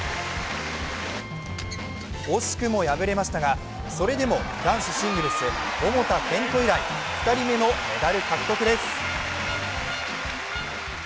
惜しくも敗れましたがそれでも男子シングルス桃田賢斗以来２人目のメダル獲得です。